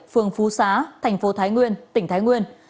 phường phú xá tỉnh thái nguyên